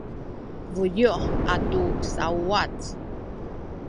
buyu’ atu sauwac